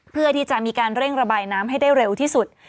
เพื่อที่จะมีการเร่งระบายน้ำให้ได้เร็วที่สุด